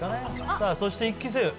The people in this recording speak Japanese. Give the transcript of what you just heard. さあそして１期生。